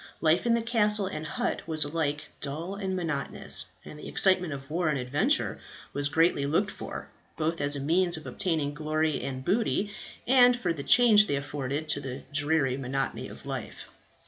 Life in the castle and hut was alike dull and monotonous, and the excitement of war and adventure was greatly looked for, both as a means of obtaining glory and booty, and for the change they afforded to the dreary monotony of life.